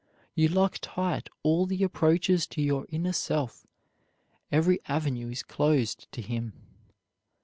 You lock tight all the approaches to your inner self, every avenue is closed to him.